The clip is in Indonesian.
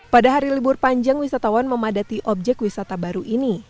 pada hari libur panjang wisatawan memadati objek wisata baru ini